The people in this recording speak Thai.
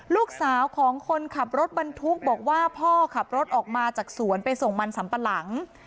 ลูกสาวของคนขับรถบรรทุกบอกว่าพ่อขับรถออกมาจากสวนไปส่งมันสัมปะหลัง